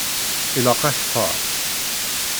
Ilaq akter.